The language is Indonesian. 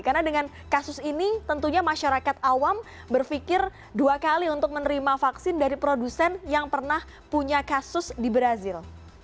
karena dengan kasus ini tentunya masyarakat awam berpikir dua kali untuk menerima vaksin dari produsen yang pernah punya kasus di brazil